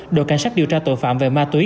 đội cảnh sát điều tra tội phạm về ma túy